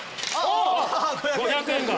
５００円が。